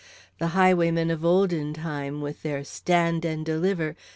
The highwaymen of olden time, with their "Stand and deliver!"